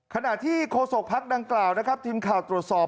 ขณะที่โฆษกภักดิ์ดังกล่าวนะครับทีมข่าวตรวจสอบ